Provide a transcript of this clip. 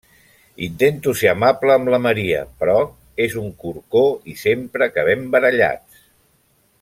Intento ser amable amb la Maria, però és un corcó i sempre acabem barallats.